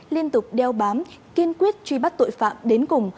liên tục đeo bám kiên quyết truy bắt tội phạm đến cùng